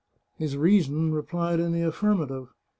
" His reason replied in the affirmative.